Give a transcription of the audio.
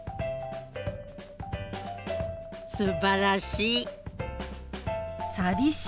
すばらしい。